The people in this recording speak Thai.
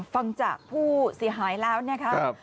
ฟังจากผู้เสียหายแล้วนะครับ